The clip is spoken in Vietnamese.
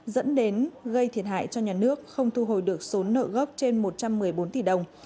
dẫn đến gây thiệt hại cho nhà nước không thu hồi được số nợ gốc trên một trăm một mươi bốn tỷ đồng